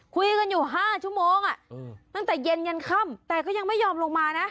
คุยกันอยู่๕ชั่วโมงตั้งแต่เย็นยันค่ำแต่ก็ยังไม่ยอมลงมานะ